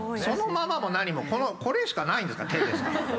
そのままも何もこれしかないんですから。